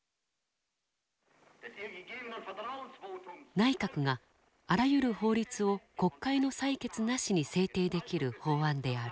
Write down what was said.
内閣があらゆる法律を国会の採決なしに制定できる法案である。